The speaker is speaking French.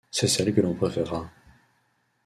C'est celle que l'on préférera.